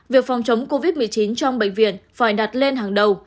việc phòng chống covid một mươi chín trong bệnh viện phải đặt lên hàng đầu